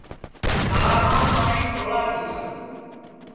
تݪاوام پاٹؔی تھوڑا تِیا